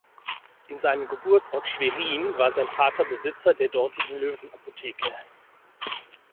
In seinem Geburtsort Schwerin war sein Vater Besitzer der dortigen Löwenapotheke.